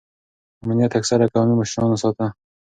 امنیت اکثره قومي مشرانو ساته.